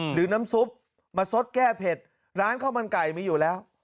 หรือน้ำซุปมาซดแก้เผ็ดร้านข้าวมันไก่มีอยู่แล้ว